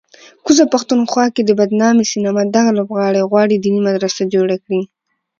کوزه پښتونخوا کې د بدنامې سینما دغه لوبغاړی غواړي دیني مدرسه جوړه کړي